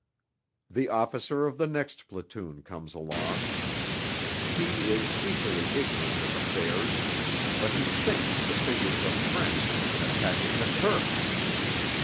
The officer of the next platoon comes along. He is equally ignorant of affairs, but he thinks the figures are French, attacking the Turks.